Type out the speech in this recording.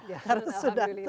harus sudah terbangun